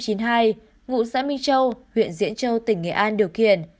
sinh năm một nghìn chín trăm chín mươi hai ngụ xã minh châu huyện diễn châu tỉnh nghệ an điều khiển